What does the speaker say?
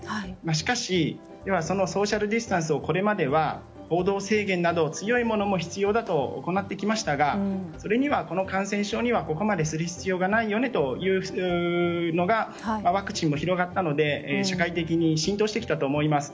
しかしソーシャルディスタンスをこれまでは行動制限など強いものも必要だと行ってきましたがこの感染症には、ここまでする必要がないよねってのがワクチンも広がったので社会的に浸透してきたと思います。